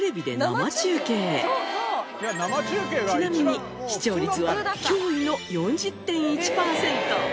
ちなみに視聴率は驚異の４０．１パーセント！